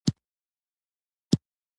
کتاب په لومړۍ برخه کې موږ ته ارواپوهنه